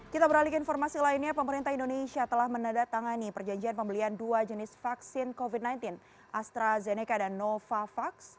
kita beralih ke informasi lainnya pemerintah indonesia telah menandatangani perjanjian pembelian dua jenis vaksin covid sembilan belas astrazeneca dan novavax